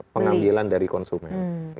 pengambilan dari konsumen